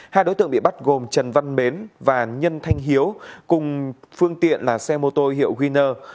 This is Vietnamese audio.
hai đối tượng bị bắt gồm trần văn mến và nhân thanh hiếu cùng phương tiện là xe mô tô hiệu guinner